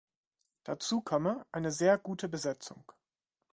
Dazu komme „eine sehr gute Besetzung“.